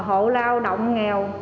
hộ lao động nghèo